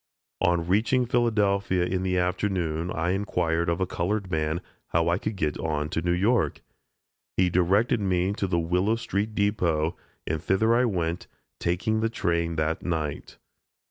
On reaching Philadelphia in the afternoon I inquired of a colored man how I could get on to New York? He directed me to the Willow street depot, and thither I went, taking the train that night.